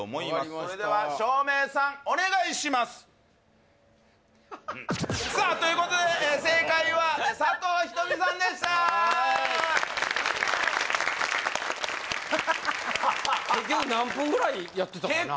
それでは照明さんお願いしますさあということで正解は佐藤仁美さんでした結局何分ぐらいやってたのかな？